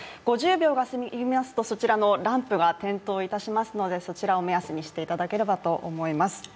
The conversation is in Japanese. ５０秒が過ぎますと、そちらのランプが点灯いたしますのでそちらを目安にしていただければと思います。